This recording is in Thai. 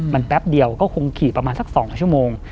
มันแป๊บเดียวก็คงขี่ประมาณสัก๒ชั่วโมง